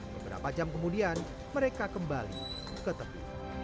beberapa jam kemudian mereka kembali ke tepi